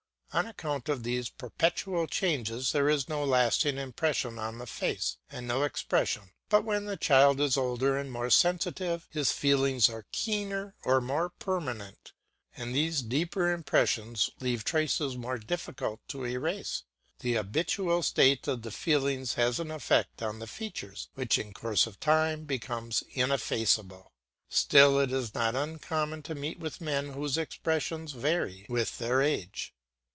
On account of these perpetual changes there is no lasting impression on the face, and no expression; but when the child is older and more sensitive, his feelings are keener or more permanent, and these deeper impressions leave traces more difficult to erase; and the habitual state of the feelings has an effect on the features which in course of time becomes ineffaceable. Still it is not uncommon to meet with men whose expression varies with their age.